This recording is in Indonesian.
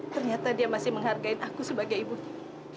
ternyata dia masih menghargain aku sebagai ibunya